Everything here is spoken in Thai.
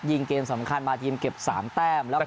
เกมสำคัญมาทีมเก็บ๓แต้มแล้วก็